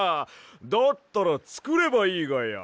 だったらつくればいいがや。